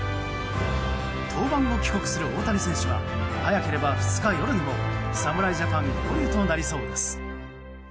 登板後、帰国する大谷選手は早ければ２日夜にも侍ジャパン合流となりそうです。